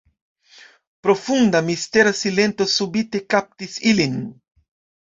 Profunda, mistera silento subite kaptis ilin.